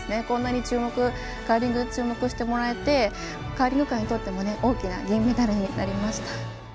こんなにカーリングに注目してもらえてカーリング界にとっても大きな銀メダルになりました。